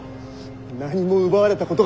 何も奪われたことがない